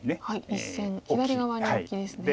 １線左側にオキですね。